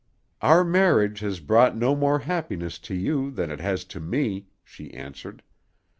"Our marriage has brought no more happiness to you than it has to me," she answered.